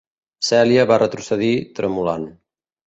Celia va retrocedir, tremolant.